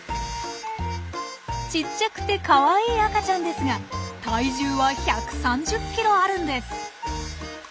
ちっちゃくてかわいい赤ちゃんですが体重は１３０ｋｇあるんです！